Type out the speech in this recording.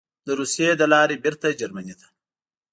د روسیې له لارې بېرته جرمني ته: